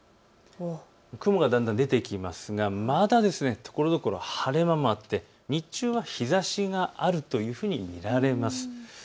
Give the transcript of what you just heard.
雲がだんだん出てきますが、まだところどころ晴れ間もあって日中は日ざしがあるというふうに見られます。